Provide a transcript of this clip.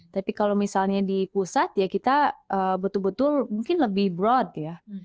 tapi kalau misalnya di pusat kita betul betul mungkin lebih luas